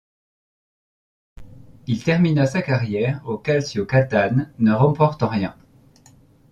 Il termina sa carrière au Calcio Catane, ne remportant rien.